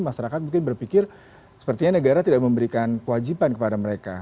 masyarakat mungkin berpikir sepertinya negara tidak memberikan kewajiban kepada mereka